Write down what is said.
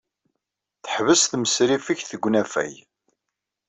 Taḥbes temsriffegt deg unafag